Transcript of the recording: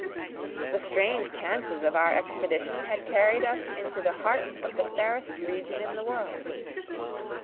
The strange chances of our expedition had carried us into the heart of the fairest region in the world.